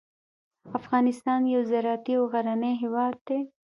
افغانستان یو زراعتي او غرنی هیواد دی.